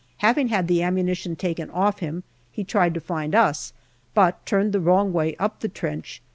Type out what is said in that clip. Having had the ammunition taken off him, he tried to find us, but turned the wrong way up the trench.